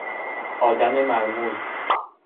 آدم مرموز